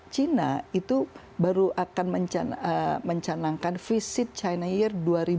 china itu baru akan mencanangkan visit china year dua ribu dua puluh